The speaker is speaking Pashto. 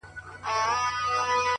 o وږی نه يم، قدر غواړم.